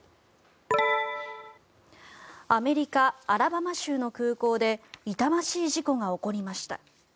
アメリカ・アラバマ州の空港で痛ましい事故が起こりました。